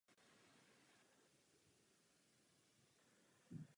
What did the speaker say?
Doufám, že Komise návrh nestáhne.